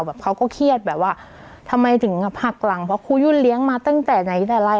เขาก็เครียดแบบว่าทำไมถึงหักหลังเพราะครูยุ่นเลี้ยงมาตั้งแต่ไหนแต่ไร